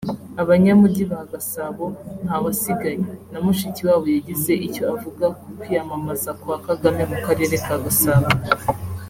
Abanyamujyi ba Gasabo nta wasigaye… na Mushikiwabo yagize icyo avuga ku kwiyamamaza kwa Kagame mu Karere ka Gasabo